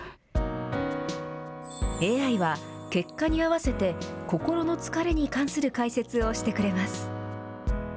ＡＩは、結果に合わせて、心の疲れに関する解説をしてくれます。